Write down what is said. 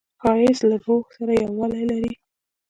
ښایست له روح سره یووالی لري